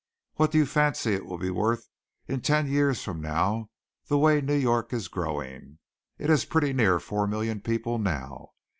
What do you fancy it will be worth in ten years from now the way New York is growing? It has pretty near four million people now.